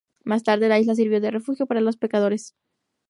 Más tarde, la isla sirvió de refugio para los pescadores.